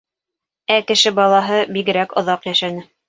Ә кеше балаһы бигерәк оҙаҡ йәшәне.